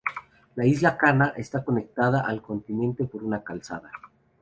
La isla Cana está conectada al continente por una calzada.